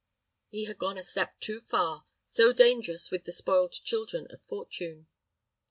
He had gone the step too far, so dangerous with the spoiled children of fortune.